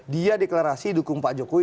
dia deklarasi dukung pak jokowi